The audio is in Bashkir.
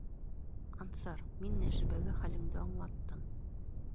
Ансар, мин Нәжибәгә хәлеңде аңлаттым.